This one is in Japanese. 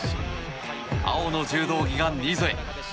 青の柔道着が新添。